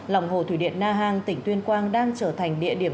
lòng hồ thủy điện na hàng tỉnh tuyên quang đang trở thành địa điểm